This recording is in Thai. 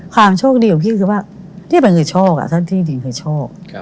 ความโชคดีของพี่คือว่านี่มันคือโชคที่จริงคือโชค